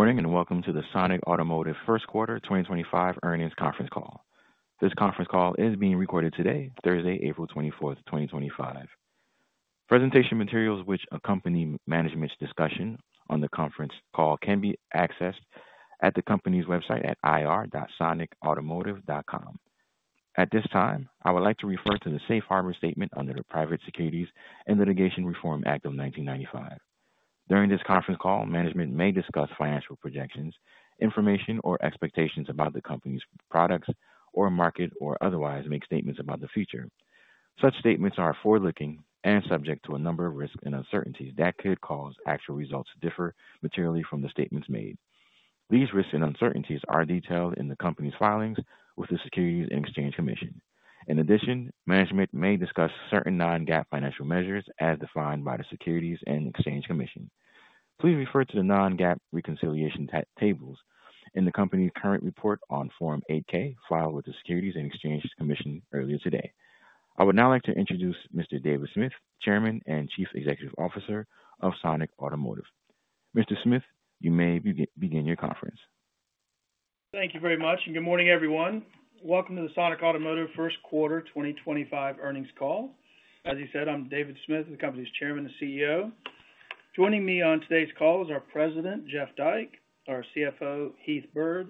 Good morning and welcome to the Sonic Automotive Q1 2025 Earnings Conference Call. This conference call is being recorded today, Thursday, 24 April 2025. Presentation materials which accompany management's discussion on the conference call can be accessed at the company's website at ir.sonicautomotive.com. At this time, I would like to refer to the safe harbor statement under the Private Securities and Litigation Reform Act of 1995. During this conference call, management may discuss financial projections, information, or expectations about the company's products or market, or otherwise make statements about the future. Such statements are forward-looking and subject to a number of risks and uncertainties that could cause actual results to differ materially from the statements made. These risks and uncertainties are detailed in the company's filings with the Securities and Exchange Commission. In addition, management may discuss certain non-GAAP financial measures as defined by the Securities and Exchange Commission. Please refer to the non-GAAP reconciliation tables in the company's current report on Form 8-K filed with the Securities and Exchange Commission earlier today. I would now like to introduce Mr. David Smith, Chairman and Chief Executive Officer of Sonic Automotive. Mr. Smith, you may begin your conference. Thank you very much. Good morning, everyone. Welcome to the Sonic Automotive Q1 2025 Earnings Call. As you said, I'm David Smith, the company's Chairman and CEO. Joining me on today's call is our President, Jeff Dyke, our CFO, Heath Byrd,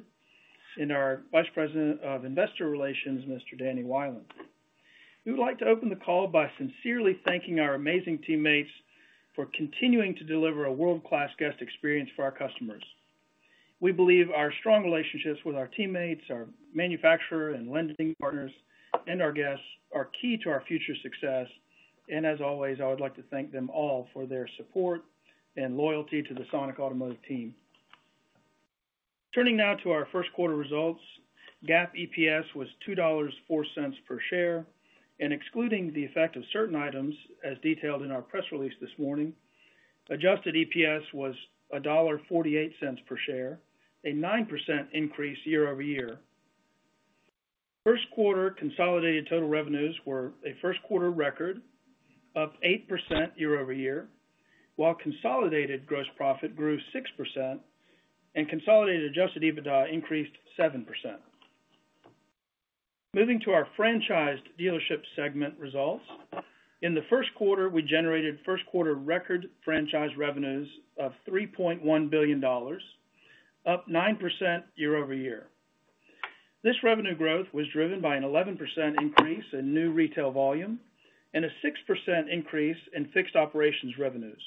and our Vice President of Investor Relations, Mr. Danny Wieland. We would like to open the call by sincerely thanking our amazing teammates for continuing to deliver a world-class guest experience for our customers. We believe our strong relationships with our teammates, our manufacturer and lending partners, and our guests are key to our future success. I would like to thank them all for their support and loyalty to the Sonic Automotive team. Turning now to our Q1 results, GAAP EPS was $2.04 per share. Excluding the effect of certain items, as detailed in our press release this morning, adjusted EPS was $1.48 per share, a 9% increase year-over-year. Q1 consolidated total revenues were a Q1 record of 8% year-over-year, while consolidated gross profit grew 6% and consolidated adjusted EBITDA increased 7%. Moving to our franchised dealership segment results, in the Q1, we generated Q1 record franchise revenues of $3.1 billion, up 9% year-over-year. This revenue growth was driven by an 11% increase in new retail volume and a 6% increase in fixed operations revenues.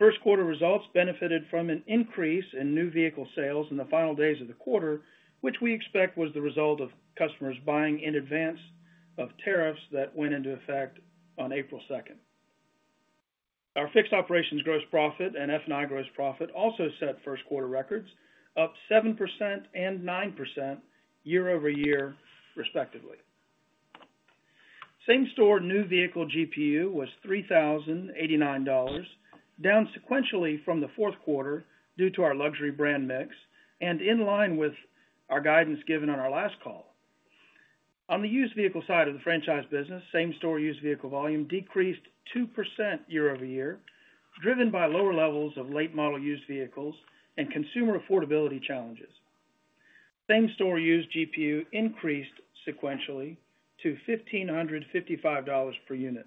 Q1 results benefited from an increase in new vehicle sales in the final days of the quarter, which we expect was the result of customers buying in advance of tariffs that went into effect on April 2. Our fixed operations gross profit and F&I gross profit also set Q1 records, up 7% and 9% year-over-year, respectively. Same store new vehicle GPU was $3,089, down sequentially from the Q4 due to our luxury brand mix and in line with our guidance given on our last call. On the used vehicle side of the franchise business, same store used vehicle volume decreased 2% year-over-year, driven by lower levels of late model used vehicles and consumer affordability challenges. Same store used GPU increased sequentially to $1,555 per unit.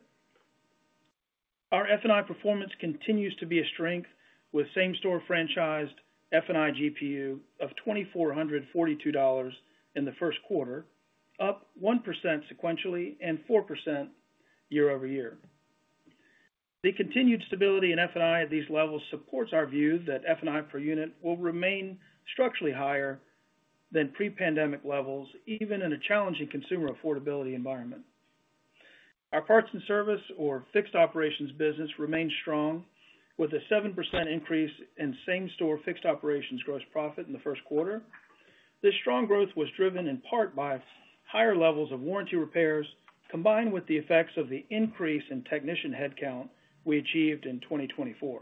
Our F&I performance continues to be a strength, with same store franchised F&I GPU of $2,442 in the Q1, up 1% sequentially and 4% year-over-year. The continued stability in F&I at these levels supports our view that F&I per unit will remain structurally higher than pre-pandemic levels, even in a challenging consumer affordability environment. Our parts and service, or fixed operations business, remained strong with a 7% increase in same store fixed operations gross profit in the Q1. This strong growth was driven in part by higher levels of warranty repairs, combined with the effects of the increase in technician headcount we achieved in 2024.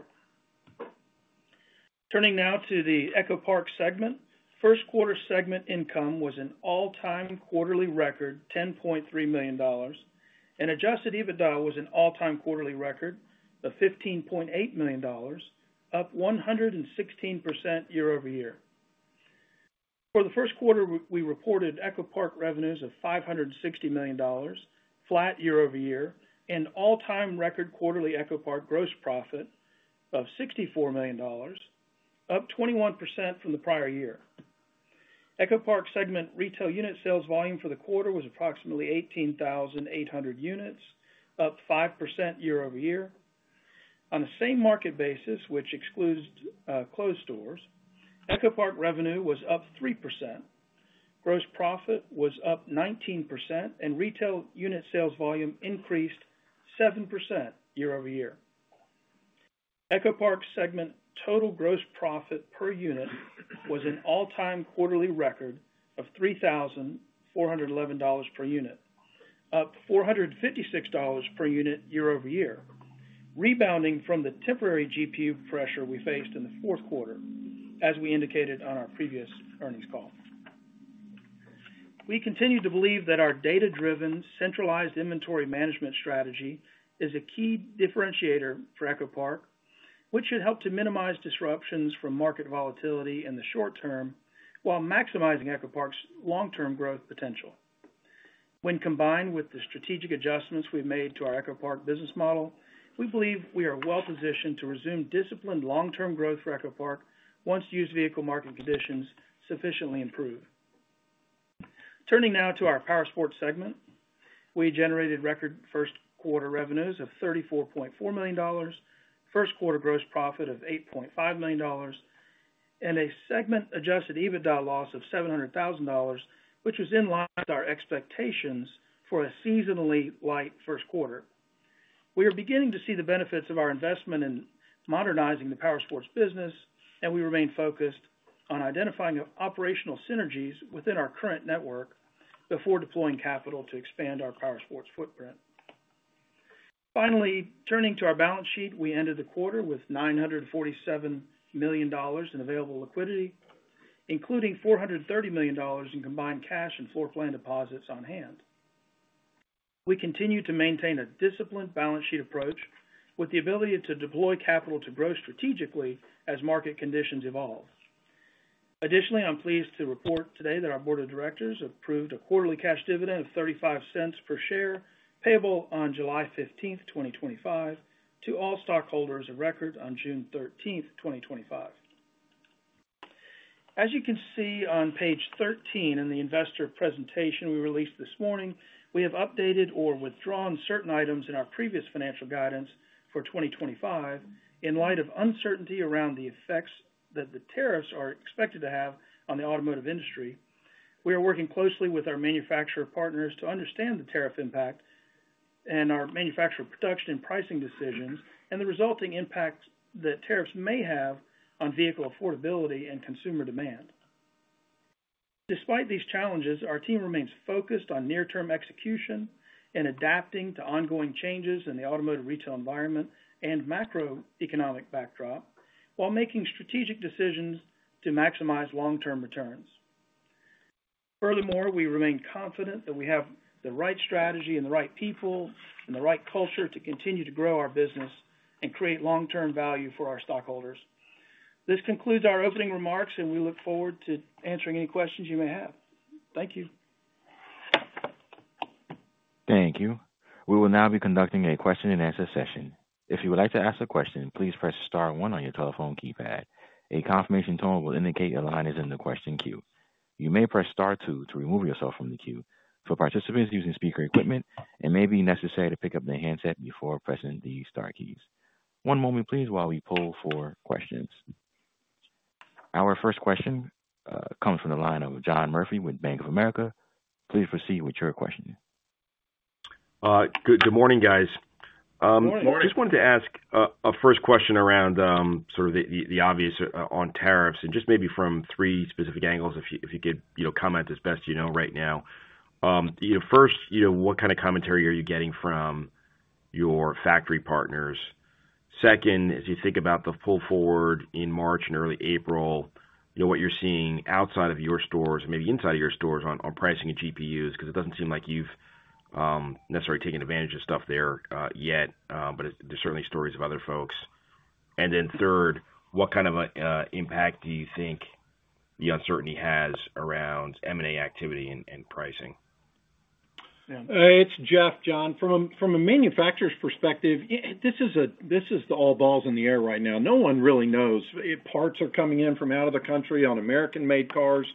Turning now to the EchoPark segment, Q1 segment income was an all-time quarterly record, $10.3 million, and adjusted EBITDA was an all-time quarterly record of $15.8 million, up 116% year-over-year. For the Q1, we reported EchoPark revenues of $560 million, flat year-over-year, and all-time record quarterly EchoPark gross profit of $64 million, up 21% from the prior year. EchoPark segment retail unit sales volume for the quarter was approximately 18,800 units, up 5% year-over-year. On the same market basis, which excludes closed stores, EchoPark revenue was up 3%. Gross profit was up 19%, and retail unit sales volume increased 7% year-over-year. EchoPark segment total gross profit per unit was an all-time quarterly record of $3,411 per unit, up $456 per unit year-over-year, rebounding from the temporary GPU pressure we faced in the Q4, as we indicated on our previous earnings call. We continue to believe that our data-driven centralized inventory management strategy is a key differentiator for EchoPark, which should help to minimize disruptions from market volatility in the short term while maximizing EchoPark's long-term growth potential. When combined with the strategic adjustments we've made to our EchoPark business model, we believe we are well positioned to resume disciplined long-term growth for EchoPark once used vehicle market conditions sufficiently improve. Turning now to our Powersports segment, we generated record Q1 revenues of $34.4 million, Q1 gross profit of $8.5 million, and a segment adjusted EBITDA loss of $700,000, which was in line with our expectations for a seasonally light Q1. We are beginning to see the benefits of our investment in modernizing the Powersports business, and we remain focused on identifying operational synergies within our current network before deploying capital to expand our Powersports footprint. Finally, turning to our balance sheet, we ended the quarter with $947 million in available liquidity, including $430 million in combined cash and floor plan deposits on hand. We continue to maintain a disciplined balance sheet approach with the ability to deploy capital to grow strategically as market conditions evolve. Additionally, I'm pleased to report today that our board of directors approved a quarterly cash dividend of $0.35 per share payable on July 15th, 2025, to all stockholders of record on June 13th, 2025. As you can see on page 13 in the investor presentation we released this morning, we have updated or withdrawn certain items in our previous financial guidance for 2025. In light of uncertainty around the effects that the tariffs are expected to have on the automotive industry, we are working closely with our manufacturer partners to understand the tariff impact and our manufacturer production and pricing decisions and the resulting impact that tariffs may have on vehicle affordability and consumer demand. Despite these challenges, our team remains focused on near-term execution and adapting to ongoing changes in the automotive retail environment and macroeconomic backdrop while making strategic decisions to maximize long-term returns. Furthermore, we remain confident that we have the right strategy and the right people and the right culture to continue to grow our business and create long-term value for our stockholders. This concludes our opening remarks, and we look forward to answering any questions you may have. Thank you. Thank you. We will now be conducting a question-and-answer session. If you would like to ask a question, please press Star 1 on your telephone keypad. A confirmation tone will indicate a line is in the question queue. You may press Star 2 to remove yourself from the queue. For participants using speaker equipment, it may be necessary to pick up the handset before pressing the Star keys. One moment, please, while we pull for questions. Our first question comes from the line of John Murphy with Bank of America. Please proceed with your question. Good morning, guys. Good morning. I just wanted to ask a first question around sort of the obvious on tariffs and just maybe from three specific angles, if you could comment as best you know right now. First, what kind of commentary are you getting from your factory partners? Second, as you think about the pull forward in March and early April, what you're seeing outside of your stores, maybe inside of your stores on pricing of GPUs, because it doesn't seem like you've necessarily taken advantage of stuff there yet, but there's certainly stories of other folks. Third, what kind of impact do you think the uncertainty has around M&A activity and pricing? It's Jeff, John. From a manufacturer's perspective, this is the all balls in the air right now. No one really knows. Parts are coming in from out of the country on American-made cars.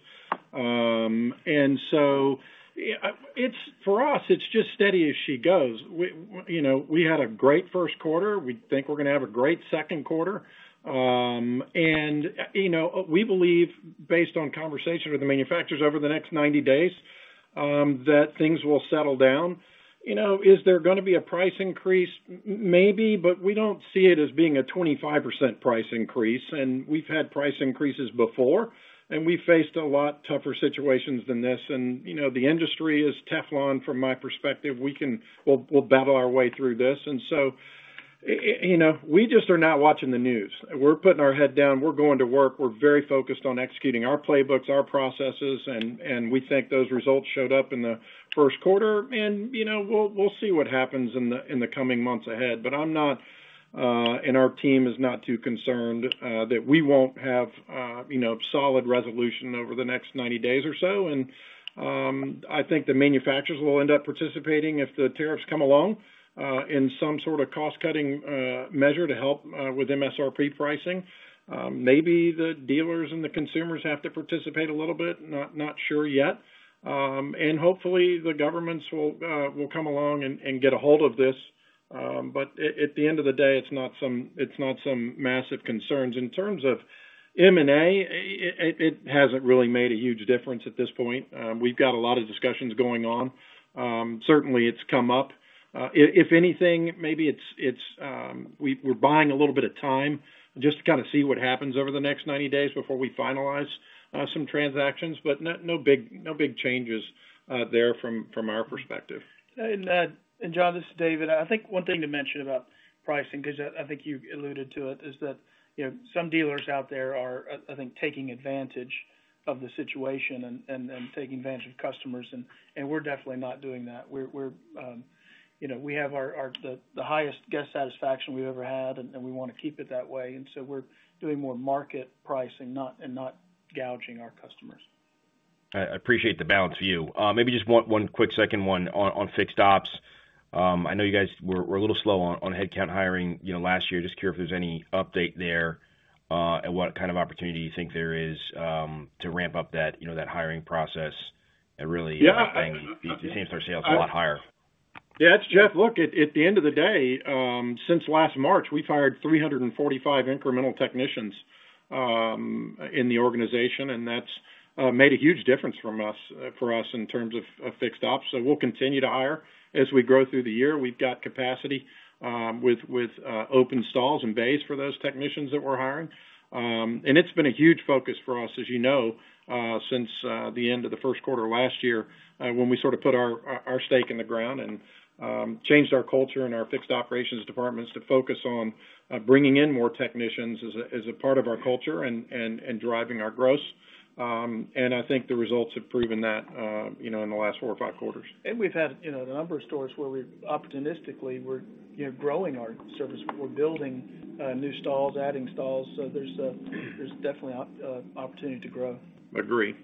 For us, it's just steady as she goes. We had a great Q1. We think we're going to have a great Q2. We believe, based on conversation with the manufacturers over the next 90 days, that things will settle down. Is there going to be a price increase? Maybe, but we don't see it as being a 25% price increase. We've had price increases before, and we've faced a lot tougher situations than this. The industry is Teflon, from my perspective. We'll battle our way through this. We just are not watching the news. We're putting our head down. We're going to work. We're very focused on executing our playbooks, our processes, and we think those results showed up in the Q1. We will see what happens in the coming months ahead. I am not, and our team is not too concerned that we will not have solid resolution over the next 90 days or so. I think the manufacturers will end up participating if the tariffs come along in some sort of cost-cutting measure to help with MSRP pricing. Maybe the dealers and the consumers have to participate a little bit. Not sure yet. Hopefully, the governments will come along and get a hold of this. At the end of the day, it is not some massive concerns. In terms of M&A, it has not really made a huge difference at this point. We have got a lot of discussions going on. Certainly, it has come up. If anything, maybe we're buying a little bit of time just to kind of see what happens over the next 90 days before we finalize some transactions. No big changes there from our perspective. John, this is David. I think one thing to mention about pricing, because I think you alluded to it, is that some dealers out there are, I think, taking advantage of the situation and taking advantage of customers. We are definitely not doing that. We have the highest guest satisfaction we have ever had, and we want to keep it that way. We are doing more market pricing and not gouging our customers. I appreciate the balanced view. Maybe just one quick second one on fixed ops. I know you guys were a little slow on headcount hiring last year. Just curious if there's any update there and what kind of opportunity you think there is to ramp up that hiring process and really bring the same store sales a lot higher. Yeah, that's Jeff. Look, at the end of the day, since last March, we've hired 345 incremental technicians in the organization, and that's made a huge difference for us in terms of fixed ops. We will continue to hire as we grow through the year. We've got capacity with open stalls and bays for those technicians that we're hiring. It's been a huge focus for us, as you know, since the end of the Q1 last year when we sort of put our stake in the ground and changed our culture and our fixed operations departments to focus on bringing in more technicians as a part of our culture and driving our gross. I think the results have proven that in the last four or five quarters. We have had a number of stores where we have opportunistically grown our service. We are building new stalls, adding stalls. There is definitely opportunity to grow. Agree.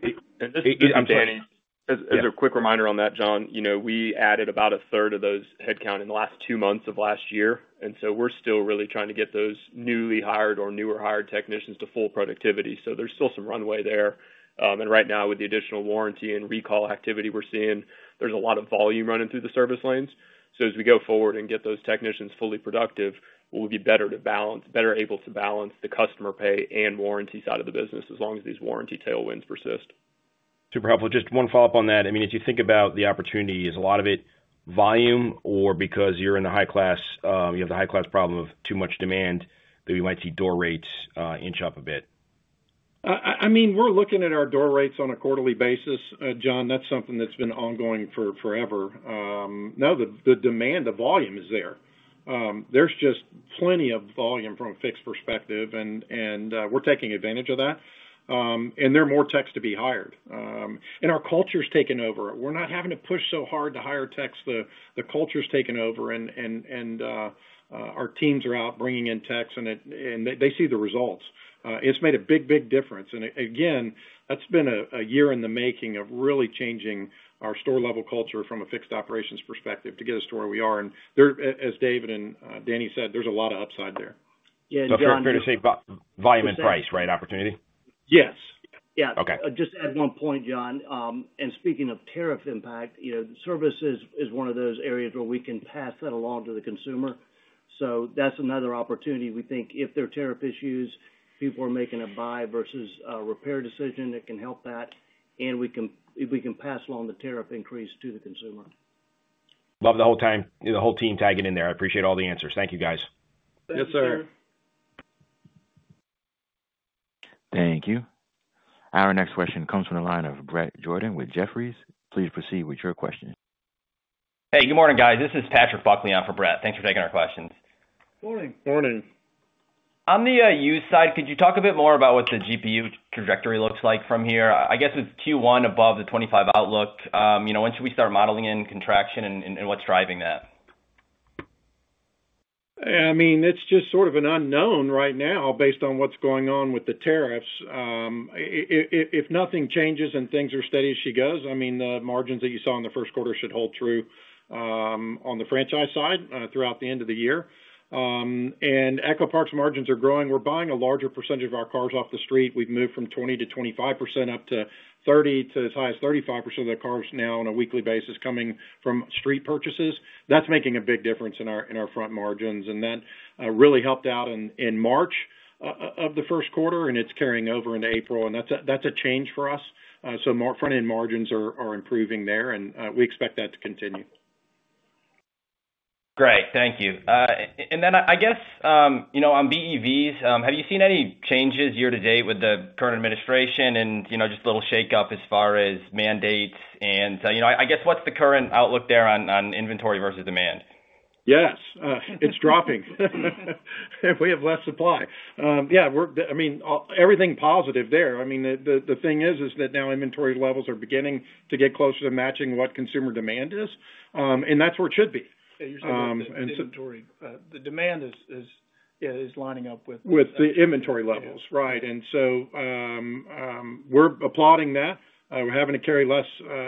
I'm saying, as a quick reminder on that, John, we added about a third of those headcount in the last two months of last year. We are still really trying to get those newly hired or newer hired technicians to full productivity. There is still some runway there. Right now, with the additional warranty and recall activity we are seeing, there is a lot of volume running through the service lanes. As we go forward and get those technicians fully productive, we will be better able to balance the customer pay and warranty side of the business as long as these warranty tailwinds persist. Super helpful. Just one follow-up on that. I mean, as you think about the opportunity, is a lot of it volume or because you're in the high-class, you have the high-class problem of too much demand that we might see door rates inch up a bit? I mean, we're looking at our door rates on a quarterly basis, John. That's something that's been ongoing forever. No, the demand, the volume is there. There's just plenty of volume from a fixed perspective, and we're taking advantage of that. There are more techs to be hired. Our culture's taken over. We're not having to push so hard to hire techs. The culture's taken over, and our teams are out bringing in techs, and they see the results. It's made a big, big difference. Again, that's been a year in the making of really changing our store-level culture from a fixed operations perspective to get us to where we are. As David and Danny said, there's a lot of upside there. Yeah, John, fair to say volume and price, right, opportunity? Yes. Yeah. Just add one point, John. Speaking of tariff impact, service is one of those areas where we can pass that along to the consumer. That is another opportunity. We think if there are tariff issues, people are making a buy versus a repair decision that can help that, and we can pass along the tariff increase to the consumer. Love the whole team tagging in there. I appreciate all the answers. Thank you, guys. Yes, sir. Thank you. Our next question comes from the line of Brett Jordan with Jefferies. Please proceed with your question. Hey, good morning, guys. This is Patrick Buckley on for Brett. Thanks for taking our questions. Morning. Morning. On the use side, could you talk a bit more about what the GPU trajectory looks like from here? I guess with Q1 above the 25 outlook, when should we start modeling in contraction and what's driving that? I mean, it's just sort of an unknown right now based on what's going on with the tariffs. If nothing changes and things are steady as she goes, I mean, the margins that you saw in the Q1 should hold true on the franchise side throughout the end of the year. EchoPark's margins are growing. We're buying a larger percentage of our cars off the street. We've moved from 20-25% up to 30% to as high as 35% of the cars now on a weekly basis coming from street purchases. That's making a big difference in our front margins, and that really helped out in March of the Q1, and it's carrying over into April. That's a change for us. Front-end margins are improving there, and we expect that to continue. Great. Thank you. I guess on BEVs, have you seen any changes year to date with the current administration and just a little shake-up as far as mandates? I guess what's the current outlook there on inventory versus demand? Yes. It's dropping. We have less supply. Yeah, I mean, everything positive there. I mean, the thing is that now inventory levels are beginning to get closer to matching what consumer demand is, and that's where it should be. You're saying inventory. The demand is lining up with. With the inventory levels, right? We are applauding that. We are having to carry less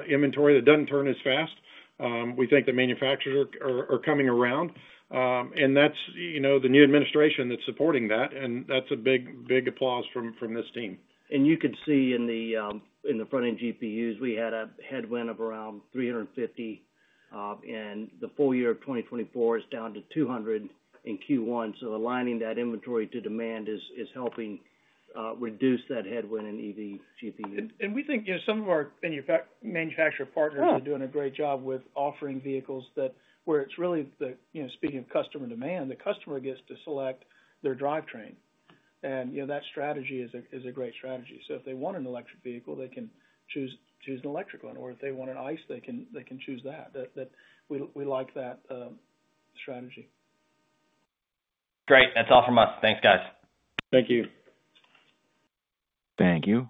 inventory that does not turn as fast. We think the manufacturers are coming around, and that is the new administration that is supporting that, and that is a big applause from this team. You could see in the front-end GPUs, we had a headwind of around $350, and the full year of 2024 is down to $200 in Q1. Aligning that inventory to demand is helping reduce that headwind in EV GPUs. We think some of our manufacturer partners are doing a great job with offering vehicles where it's really, speaking of customer demand, the customer gets to select their drivetrain. That strategy is a great strategy. If they want an electric vehicle, they can choose an electric one, or if they want an ICE, they can choose that. We like that strategy. Great. That's all from us. Thanks, guys. Thank you. Thank you.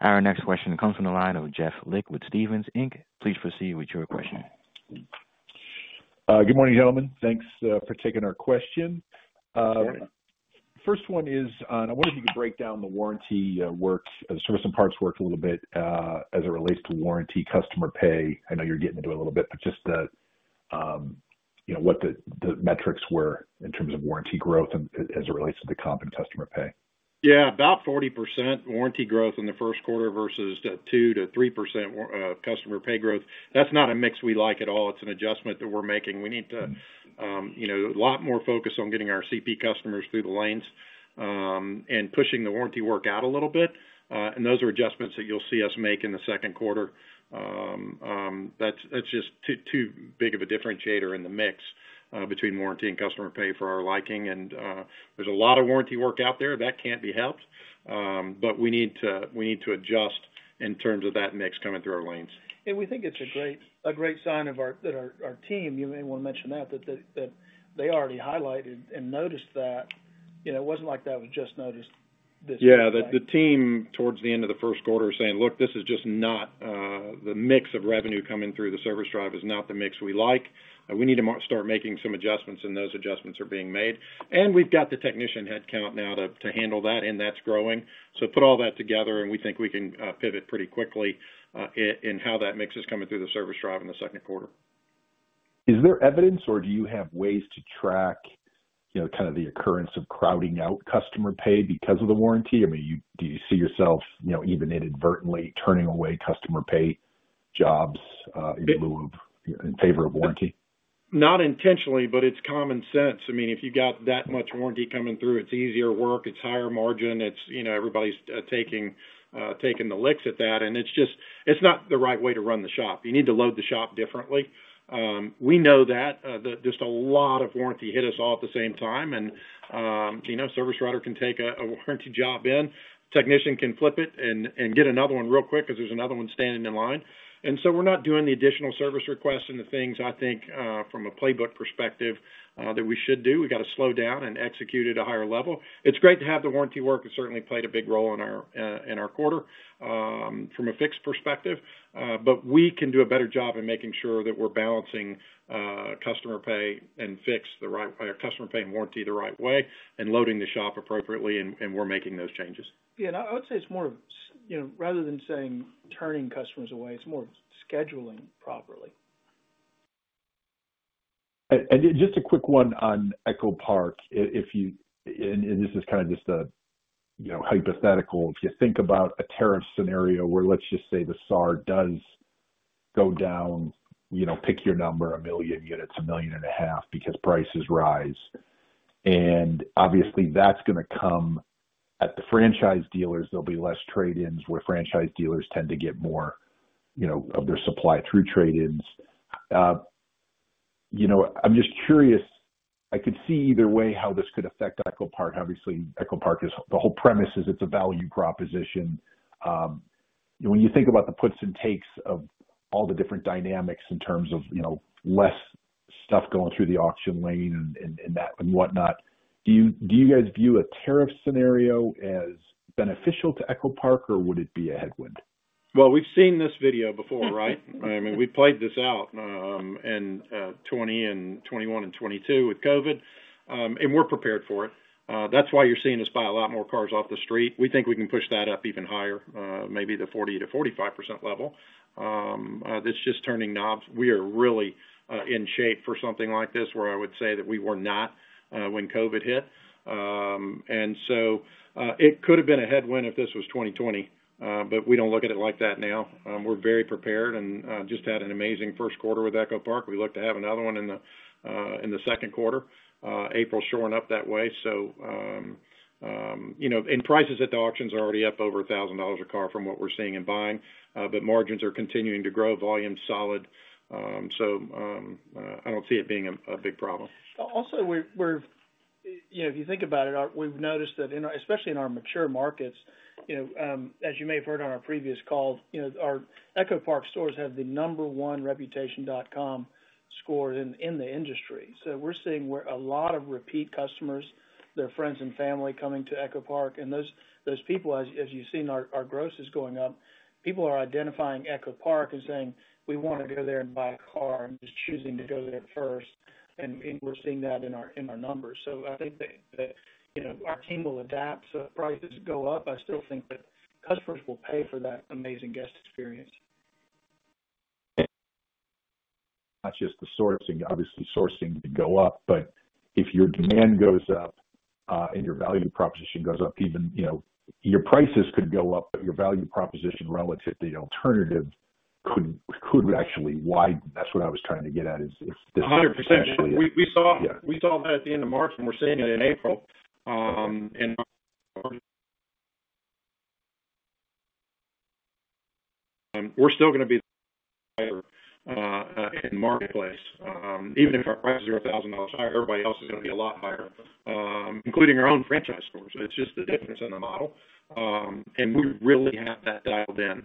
Our next question comes from the line of Jeff Lick with Stephens Inc. Please proceed with your question. Good morning, gentlemen. Thanks for taking our question. First one is, I wonder if you could break down the warranty work, service and parts work a little bit as it relates to warranty customer pay. I know you're getting into it a little bit, but just what the metrics were in terms of warranty growth as it relates to the comp and customer pay. Yeah, about 40% warranty growth in the Q1 versus 2-3% customer pay growth. That's not a mix we like at all. It's an adjustment that we're making. We need to a lot more focus on getting our CP customers through the lanes and pushing the warranty work out a little bit. Those are adjustments that you'll see us make in the Q2. That's just too big of a differentiator in the mix between warranty and customer pay for our liking. There's a lot of warranty work out there that can't be helped, but we need to adjust in terms of that mix coming through our lanes. We think it's a great sign of our team. You may want to mention that, that they already highlighted and noticed that. It wasn't like that was just noticed this year. Yeah, the team towards the end of the Q1 was saying, "Look, this is just not the mix of revenue coming through the service drive is not the mix we like. We need to start making some adjustments, and those adjustments are being made." We have got the technician headcount now to handle that, and that is growing. Put all that together, and we think we can pivot pretty quickly in how that mix is coming through the service drive in the Q2. Is there evidence, or do you have ways to track kind of the occurrence of crowding out customer pay because of the warranty? I mean, do you see yourself even inadvertently turning away customer pay jobs in favor of warranty? Not intentionally, but it's common sense. I mean, if you've got that much warranty coming through, it's easier work. It's higher margin. Everybody's taking the licks at that. It's not the right way to run the shop. You need to load the shop differently. We know that just a lot of warranty hit us all at the same time. A service writer can take a warranty job in. A technician can flip it and get another one real quick because there's another one standing in line. We're not doing the additional service requests and the things, I think, from a playbook perspective that we should do. We've got to slow down and execute at a higher level. It's great to have the warranty work. It certainly played a big role in our quarter from a fixed perspective. We can do a better job in making sure that we're balancing customer pay and fix the right way, customer pay and warranty the right way, and loading the shop appropriately, and we're making those changes. Yeah, and I would say it's more of, rather than saying turning customers away, it's more of scheduling properly. Just a quick one on EchoPark, and this is kind of just a hypothetical. If you think about a tariff scenario where, let's just say, the SAAR does go down, pick your number, a million units, a million and a half, because prices rise. Obviously, that's going to come at the franchise dealers. There will be less trade-ins where franchise dealers tend to get more of their supply through trade-ins. I'm just curious. I could see either way how this could affect EchoPark. Obviously, EchoPark is—the whole premise is it's a value proposition. When you think about the puts and takes of all the different dynamics in terms of less stuff going through the auction lane and whatnot, do you guys view a tariff scenario as beneficial to EchoPark, or would it be a headwind? We've seen this video before, right? I mean, we played this out in 2021 and 2022 with COVID, and we're prepared for it. That's why you're seeing us buy a lot more cars off the street. We think we can push that up even higher, maybe the 40-45% level. That's just turning knobs. We are really in shape for something like this where I would say that we were not when COVID hit. It could have been a headwind if this was 2020, but we don't look at it like that now. We're very prepared and just had an amazing Q1 with EchoPark. We look to have another one in the Q2, April showing up that way. Prices at the auctions are already up over $1,000 a car from what we're seeing in buying, but margins are continuing to grow. Volume's solid. I don't see it being a big problem. Also, if you think about it, we've noticed that, especially in our mature markets, as you may have heard on our previous call, our EchoPark stores have the number one Reputation.com score in the industry. We are seeing a lot of repeat customers, their friends and family coming to EchoPark. Those people, as you've seen, our gross is going up. People are identifying EchoPark and saying, "We want to go there and buy a car," just choosing to go there first. We are seeing that in our numbers. I think that our team will adapt. If prices go up, I still think that customers will pay for that amazing guest experience. Not just the sourcing. Obviously, sourcing can go up, but if your demand goes up and your value proposition goes up, even your prices could go up, but your value proposition relative to the alternative could actually widen. That's what I was trying to get at is this. 100%. We saw that at the end of March, and we're seeing it in April. We're still going to be higher in the marketplace. Even if our prices are $1,000 higher, everybody else is going to be a lot higher, including our own franchise stores. It's just the difference in the model. We really have that dialed in,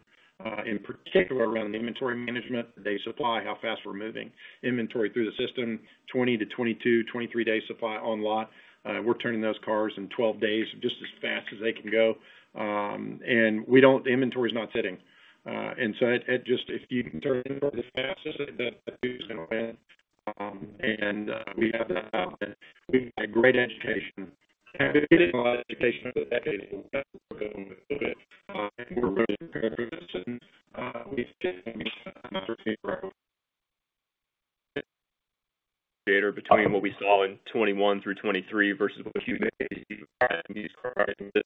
in particular around the inventory management. They supply how fast we're moving inventory through the system, 20-22, 23 days supply on lot. We're turning those cars in 12 days just as fast as they can go. The inventory is not sitting. If you can turn inventory as fast as it does, that's who's going to win. We have that out there. We've had great education. We've had a lot of education over the decades. We're going with COVID. We're really prepared for this. We think we need to grow between what we saw in 2021 through 2023 versus what you may see in these car prices. The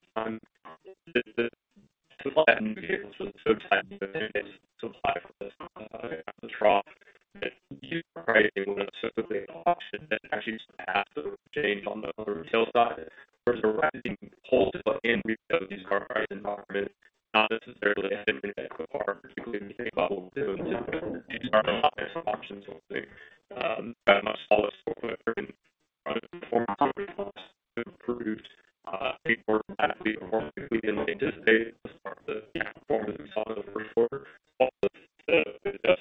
flattened vehicle system is so tight in the days supply for the truck. The pricing was so good at auction that actually had the change on the retail side where the renting holds in because these car prices are not necessarily ahead of EchoPark, particularly when you think about what we're doing. These are not as functional as we think. That much smaller score in the Q1 and performance improved. They were actually performing quickly than we anticipated. That's part of the performance we saw in the Q1. Plus,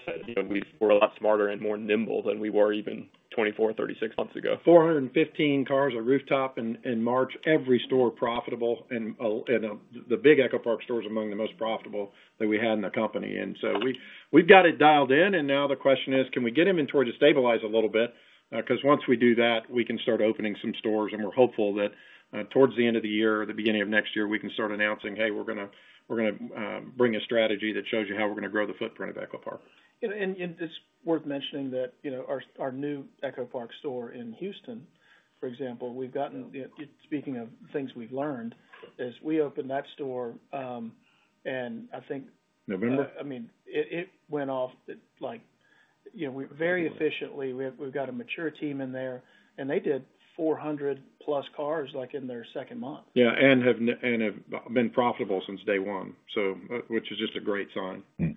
we were a lot smarter and more nimble than we were even 24, 36 months ago. 415 cars on rooftop in March. Every store profitable, and the big EchoPark stores among the most profitable that we had in the company. We have got it dialed in, and now the question is, can we get inventory to stabilize a little bit? Because once we do that, we can start opening some stores, and we are hopeful that towards the end of the year or the beginning of next year, we can start announcing, "Hey, we are going to bring a strategy that shows you how we are going to grow the footprint of EchoPark. It is worth mentioning that our new EchoPark store in Houston, for example, we have gotten, speaking of things we have learned, as we opened that store, and I think. November? I mean, it went off very efficiently. We've got a mature team in there, and they did 400-plus cars in their second month. Yeah, and have been profitable since day one, which is just a great sign.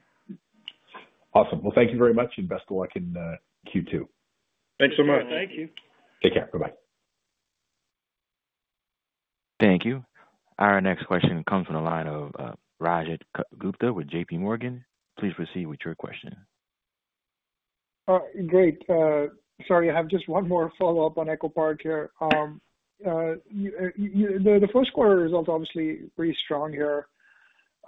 Awesome. Thank you very much, and best of luck in Q2. Thanks so much. Thank you. Take care. Bye-bye. Thank you. Our next question comes from the line of Rajat Gupta with JPMorgan. Please proceed with your question. All right. Great. Sorry, I have just one more follow-up on EchoPark here. The Q1 result, obviously, pretty strong here.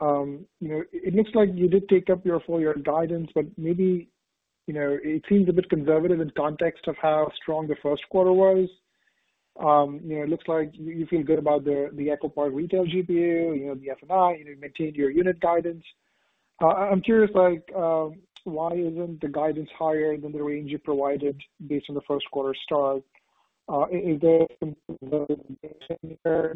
It looks like you did take up your full-year guidance, but maybe it seems a bit conservative in context of how strong the Q1 was. It looks like you feel good about the EchoPark retail GPU, the F&I, and you maintained your unit guidance. I'm curious, why isn't the guidance higher than the range you provided based on the Q1 start? Is there some motivation here?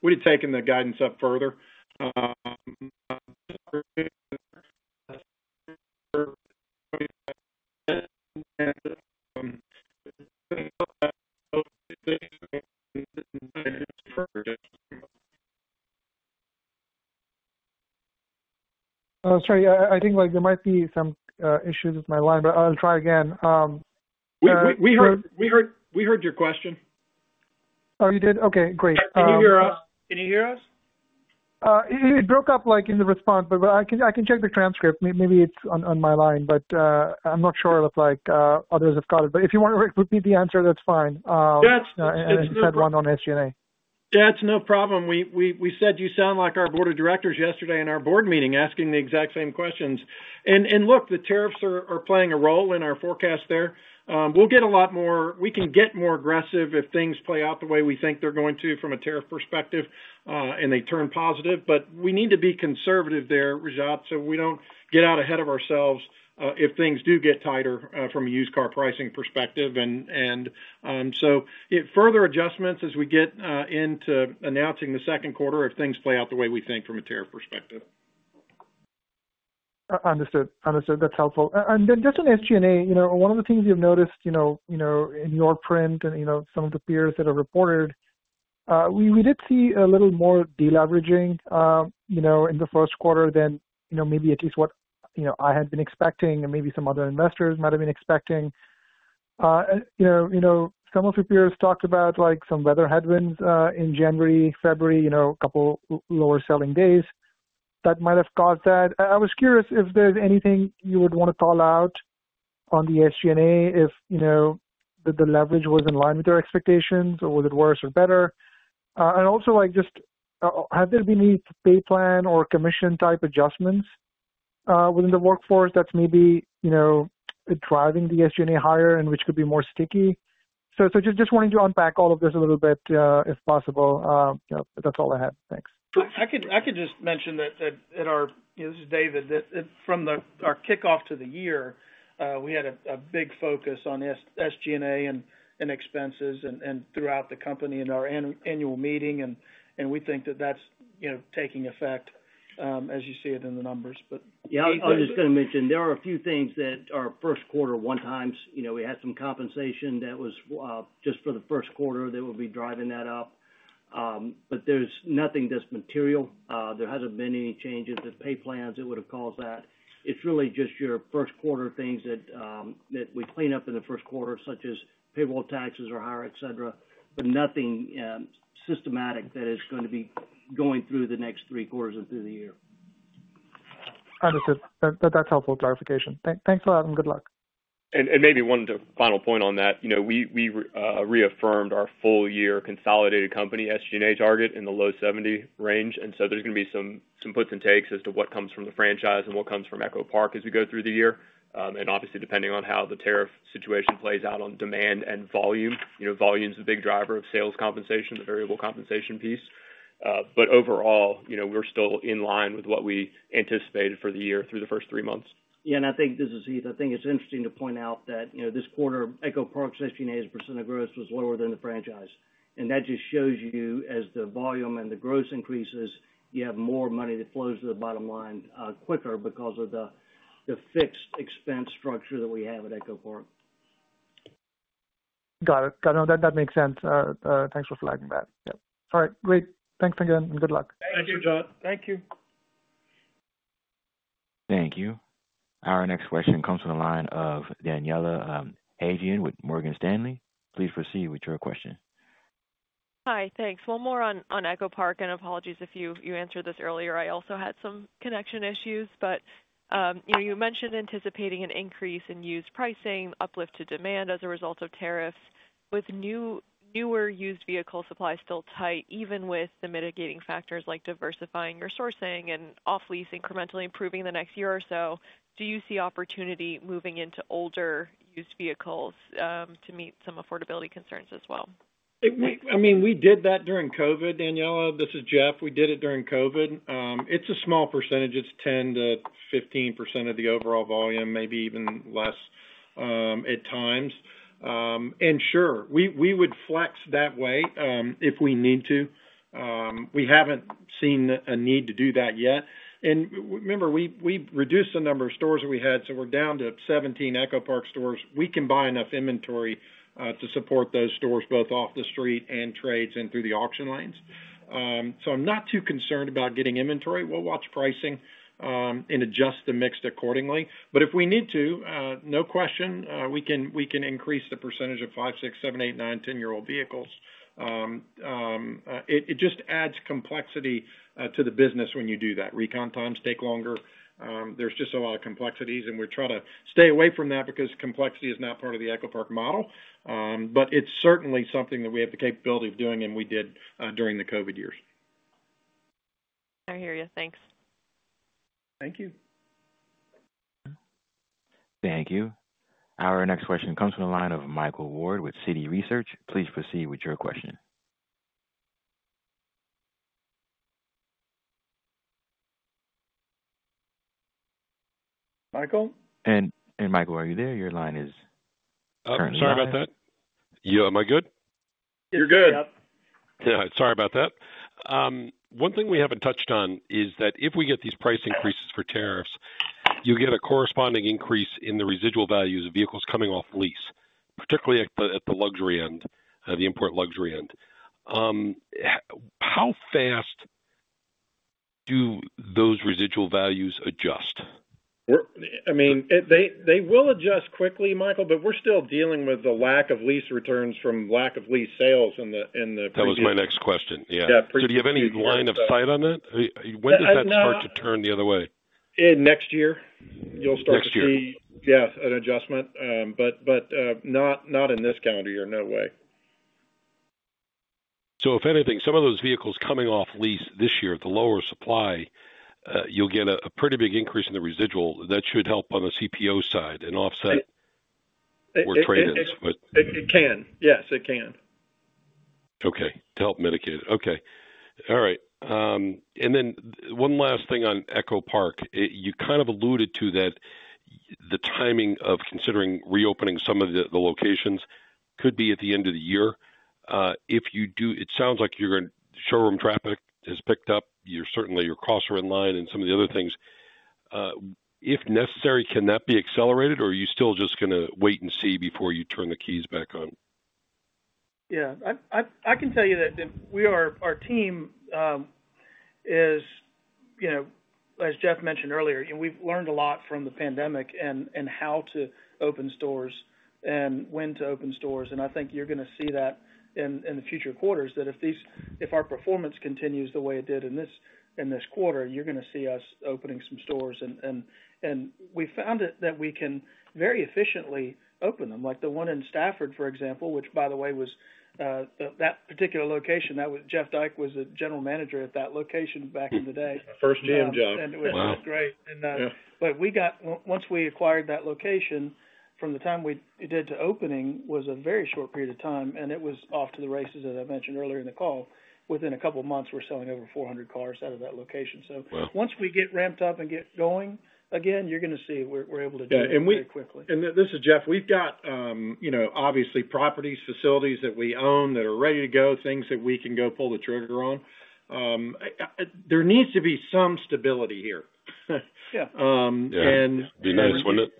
We need to take the guidance up further. Sorry, I think there might be some issues with my line, but I'll try again. Wait, wait. We heard your question. Oh, you did? Okay. Great. Can you hear us? Can you hear us? It broke up in the response, but I can check the transcript. Maybe it's on my line, but I'm not sure if others have got it. If you want to repeat the answer, that's fine. That's no problem. I just had one on SG&A. That's no problem. You sound like our board of directors yesterday in our board meeting asking the exact same questions. Look, the tariffs are playing a role in our forecast there. We can get more aggressive if things play out the way we think they are going to from a tariff perspective and they turn positive. We need to be conservative there, Raj, so we do not get out ahead of ourselves if things do get tighter from a used car pricing perspective. Further adjustments as we get into announcing the Q2 if things play out the way we think from a tariff perspective. Understood. Understood. That's helpful. Just on SG&A, one of the things we've noticed in your print and some of the peers that have reported, we did see a little more deleveraging in the Q1 than maybe at least what I had been expecting and maybe some other investors might have been expecting. Some of your peers talked about some weather headwinds in January, February, a couple of lower selling days that might have caused that. I was curious if there's anything you would want to call out on the SG&A if the leverage was in line with their expectations or was it worse or better. Also, just have there been any pay plan or commission-type adjustments within the workforce that's maybe driving the SG&A higher and which could be more sticky? Just wanting to unpack all of this a little bit if possible. That's all I had. Thanks. I could just mention that at our, this is David, from our kickoff to the year, we had a big focus on SG&A and expenses and throughout the company and our annual meeting. We think that that's taking effect as you see it in the numbers. Yeah, I was just going to mention there are a few things that are Q1 one-times. We had some compensation that was just for the Q1 that would be driving that up. There is nothing that is material. There have not been any changes to pay plans that would have caused that. It is really just your Q1 things that we clean up in the Q1, such as payroll taxes are higher, etc., nothing systematic that is going to be going through the next three quarters and through the year. Understood. That's helpful clarification. Thanks a lot and good luck. Maybe one final point on that. We reaffirmed our full-year consolidated company SG&A target in the low 70 range. There are going to be some puts and takes as to what comes from the franchise and what comes from EchoPark as we go through the year. Obviously, depending on how the tariff situation plays out on demand and volume, volume is a big driver of sales compensation, the variable compensation piece. Overall, we're still in line with what we anticipated for the year through the first three months. Yeah, and I think this is Heath. I think it's interesting to point out that this quarter, EchoPark's SG&A's percent of gross was lower than the franchise. That just shows you as the volume and the gross increases, you have more money that flows to the bottom line quicker because of the fixed expense structure that we have at EchoPark. Got it. Got it. That makes sense. Thanks for flagging that. All right. Great. Thanks again and good luck. Thank you, Rajat. Thank you. Thank you. Our next question comes from the line of Daniela Haigian with Morgan Stanley. Please proceed with your question. Hi, thanks. One more on EchoPark, and apologies if you answered this earlier. I also had some connection issues, but you mentioned anticipating an increase in used pricing, uplift to demand as a result of tariffs. With newer used vehicle supply still tight, even with the mitigating factors like diversifying your sourcing and off-lease incrementally improving the next year or so, do you see opportunity moving into older used vehicles to meet some affordability concerns as well? I mean, we did that during COVID, Daniela. This is Jeff. We did it during COVID. It's a small percentage. It's 10-15% of the overall volume, maybe even less at times. Sure, we would flex that way if we need to. We haven't seen a need to do that yet. Remember, we reduced the number of stores that we had, so we're down to 17 EchoPark stores. We can buy enough inventory to support those stores both off the street and trades and through the auction lanes. I'm not too concerned about getting inventory. We'll watch pricing and adjust the mix accordingly. If we need to, no question, we can increase the percentage of 5, 6, 7, 8, 9, 10-year-old vehicles. It just adds complexity to the business when you do that. Recon times take longer. There's just a lot of complexities, and we try to stay away from that because complexity is not part of the EchoPark model. But it's certainly something that we have the capability of doing, and we did during the COVID years. I hear you. Thanks. Thank you. Thank you. Our next question comes from the line of Michael Ward with Citi Research. Please proceed with your question. Michael? Michael, are you there? Your line is currently off. Sorry about that. Yeah, am I good? You're good. Yeah. Sorry about that. One thing we haven't touched on is that if we get these price increases for tariffs, you get a corresponding increase in the residual values of vehicles coming off lease, particularly at the luxury end, the import luxury end. How fast do those residual values adjust? I mean. They will adjust quickly, Michael, but we're still dealing with the lack of lease returns from lack of lease sales in the previous year. That was my next question. Yeah. Do you have any line of sight on that? When does that start to turn the other way? Next year, you'll start to see. Next year. Yeah, an adjustment, but not in this calendar year, no way. If anything, some of those vehicles coming off lease this year, the lower supply, you'll get a pretty big increase in the residual. That should help on the CPO side and off-site or trade-ins. It can. Yes, it can. Okay. To help mitigate. Okay. All right. One last thing on EchoPark. You kind of alluded to that the timing of considering reopening some of the locations could be at the end of the year. If you do, it sounds like your showroom traffic has picked up. Certainly, your costs are in line and some of the other things. If necessary, can that be accelerated, or are you still just going to wait and see before you turn the keys back on? Yeah. I can tell you that our team is, as Jeff mentioned earlier, we've learned a lot from the pandemic and how to open stores and when to open stores. I think you're going to see that in the future quarters that if our performance continues the way it did in this quarter, you're going to see us opening some stores. We found that we can very efficiently open them, like the one in Stafford, for example, which, by the way, was that particular location. Jeff Dyke was a general manager at that location back in the day. First GM job. Wow. It was great. Once we acquired that location, from the time we did to opening was a very short period of time, and it was off to the races, as I mentioned earlier in the call. Within a couple of months, we're selling over 400 cars out of that location. Once we get ramped up and get going again, you're going to see we're able to do it very quickly. This is Jeff. We have obviously properties, facilities that we own that are ready to go, things that we can go pull the trigger on. There needs to be some stability here. Yeah. Do you notice when it?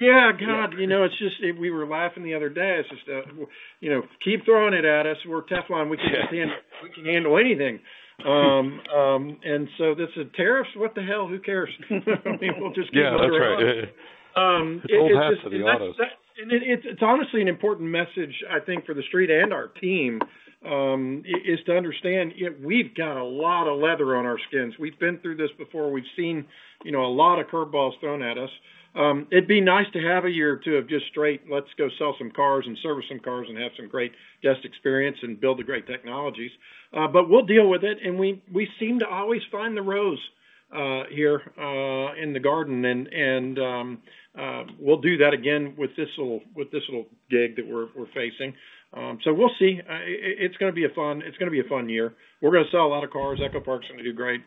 Yeah, God. It's just we were laughing the other day. It's just keep throwing it at us. We're a tough one. We can handle anything. This is tariffs? What the hell? Who cares? I mean, we'll just keep throwing it at you. Yeah, that's right. Old hands in autos. It is honestly an important message, I think, for the street and our team to understand we have got a lot of leather on our skins. We have been through this before. We have seen a lot of curveballs thrown at us. It would be nice to have a year or two of just straight, let's go sell some cars and service some cars and have some great guest experience and build the great technologies. We will deal with it. We seem to always find the rows here in the garden. We will do that again with this little gig that we are facing. We will see. It is going to be a fun year. We are going to sell a lot of cars. EchoPark is going to do great,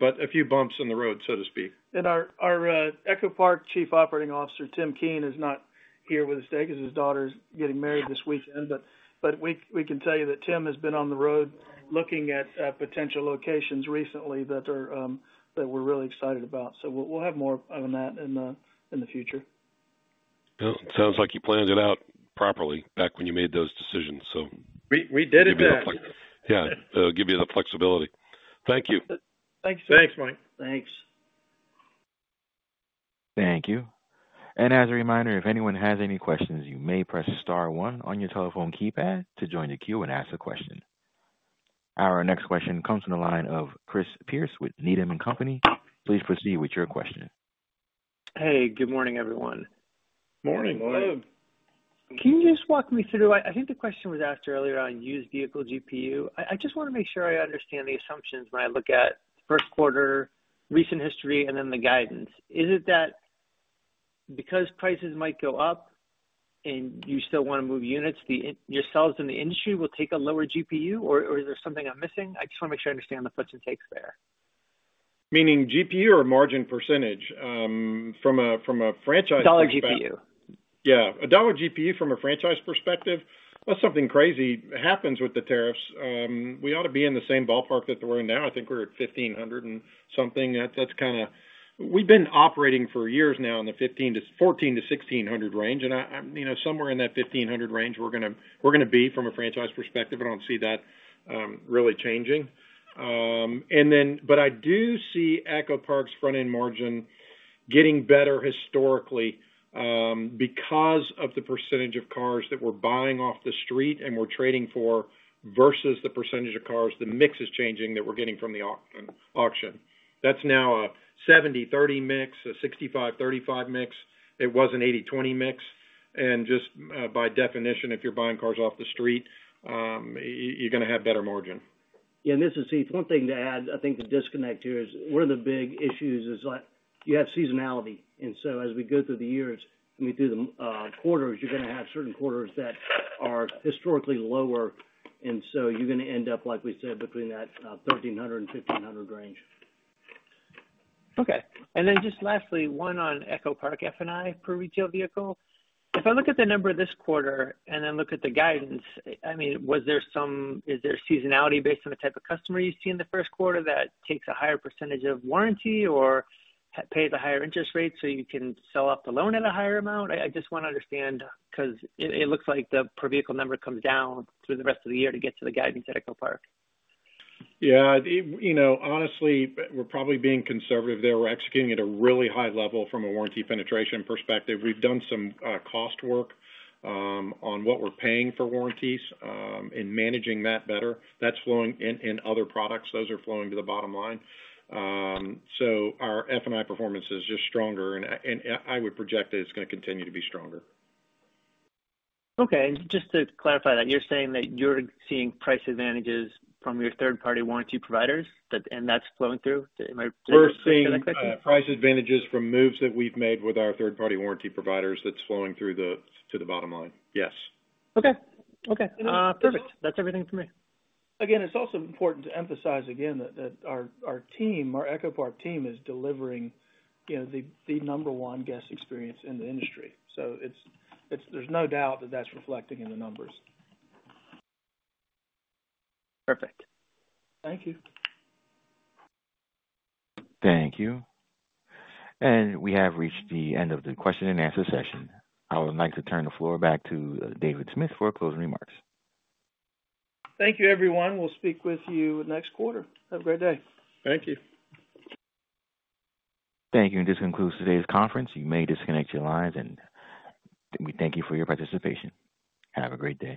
but a few bumps in the road, so to speak. Our EchoPark Chief Operating Officer, Tim Keen, is not here with us today because his daughter's getting married this weekend. We can tell you that Tim has been on the road looking at potential locations recently that we're really excited about. We will have more on that in the future. Sounds like you planned it out properly back when you made those decisions. We did it then. Yeah. It'll give you the flexibility. Thank you. Thanks, Mike. Thanks. Thank you. As a reminder, if anyone has any questions, you may press star one on your telephone keypad to join the queue and ask a question. Our next question comes from the line of Chris Pierce with Needham & Company. Please proceed with your question. Hey, good morning, everyone. Morning. Morning. Can you just walk me through? I think the question was asked earlier on used vehicle GPU. I just want to make sure I understand the assumptions when I look at Q1, recent history, and then the guidance. Is it that because prices might go up and you still want to move units, yourselves in the industry will take a lower GPU, or is there something I'm missing? I just want to make sure I understand the puts and takes there. Meaning GPU or margin percentage from a franchise perspective? Dollar GPU. Yeah. A dollar GPU from a franchise perspective, that's something crazy happens with the tariffs. We ought to be in the same ballpark that we're in now. I think we're at $1,500 and something. That's kind of we've been operating for years now in the $1,400-$1,600 range. And somewhere in that $1,500 range, we're going to be from a franchise perspective. I don't see that really changing. I do see EchoPark's front-end margin getting better historically because of the percentage of cars that we're buying off the street and we're trading for versus the percentage of cars the mix is changing that we're getting from the auction. That's now a 70/30 mix, a 65/35 mix. It was an 80/20 mix. Just by definition, if you're buying cars off the street, you're going to have better margin. Yeah. This is Heath. One thing to add, I think the disconnect here is one of the big issues is you have seasonality. As we go through the years, I mean, through the quarters, you're going to have certain quarters that are historically lower. You're going to end up, like we said, between that 1,300 and 1,500 range. Okay. Lastly, one on EchoPark F&I per retail vehicle. If I look at the number this quarter and then look at the guidance, I mean, is there seasonality based on the type of customer you see in the Q1 that takes a higher percentage of warranty or pays a higher interest rate so you can sell off the loan at a higher amount? I just want to understand because it looks like the per vehicle number comes down through the rest of the year to get to the guidance at EchoPark. Yeah. Honestly, we're probably being conservative there. We're executing at a really high level from a warranty penetration perspective. We've done some cost work on what we're paying for warranties and managing that better. That's flowing in other products. Those are flowing to the bottom line. Our F&I performance is just stronger. I would project that it's going to continue to be stronger. Okay. Just to clarify that, you're saying that you're seeing price advantages from your third-party warranty providers, and that's flowing through? We're seeing price advantages from moves that we've made with our third-party warranty providers. That's flowing through the bottom line. Yes. Okay. Okay. Perfect. That's everything for me. Again, it's also important to emphasize again that our team, our EchoPark team, is delivering the number one guest experience in the industry. There's no doubt that that's reflecting in the numbers. Perfect. Thank you. Thank you. We have reached the end of the question and answer session. I would like to turn the floor back to David Smith for closing remarks. Thank you, everyone. We'll speak with you next quarter. Have a great day. Thank you. Thank you. This concludes today's conference. You may disconnect your lines. We thank you for your participation. Have a great day.